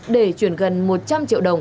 để chuyển gần một trăm linh triệu đồng